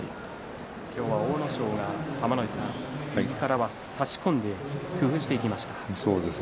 今日は阿武咲が左から差し込んで工夫してきました。